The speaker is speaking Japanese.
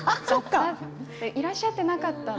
いらっしゃっていなかった。